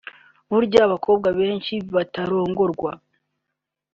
burya abakobwa benshi batarongorwa